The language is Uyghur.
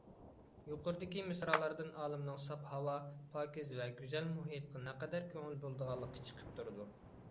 يۇقىرىقى مىسرالاردىن ئالىمنىڭ ساپ ھاۋا، پاكىز ۋە گۈزەل مۇھىتقا نەقەدەر كۆڭۈل بۆلىدىغانلىقى چىقىپ تۇرىدۇ.